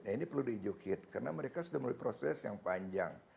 nah ini perlu dideducate karena mereka sudah memiliki proses yang panjang